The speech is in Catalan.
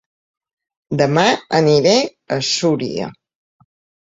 Dema aniré a Súria